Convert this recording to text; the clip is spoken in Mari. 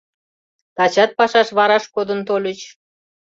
Тачат пашаш вараш кодын тольыч.